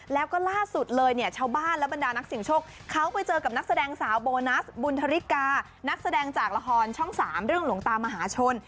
แล้วก็ล่าสุดเลยเนี่ยชาวบ้านและบรรดานักเสียงโชคเขาไปเจอกับนักแสดงสาวโบนัสบุญธริกานักแสดงจากละครช่อง๓เรื่องหลวงตามหาชน